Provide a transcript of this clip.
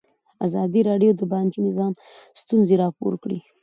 ازادي راډیو د بانکي نظام ستونزې راپور کړي.